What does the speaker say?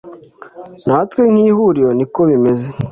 natwe nk’ihuriro niko bimeze